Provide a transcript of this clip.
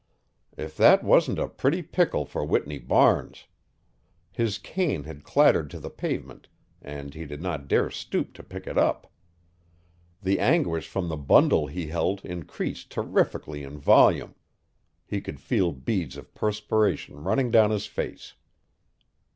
If that wasn't a pretty pickle for Whitney Barnes! His cane had clattered to the pavement and he did not dare stoop to pick it up. The anguish from the bundle he held increased terrifically in volume. He could feel beads of perspiration running down his face.